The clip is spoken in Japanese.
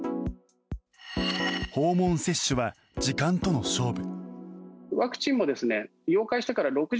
訪問接種は時間との勝負。